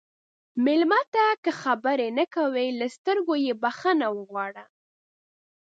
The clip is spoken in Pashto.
مېلمه ته که خبرې نه کوي، له سترګو یې بخښنه وغواړه.